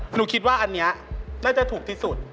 หนูคิดว่าอันนี้น่าจะถูกที่สุด